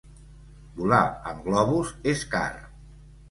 Volar en globus és car.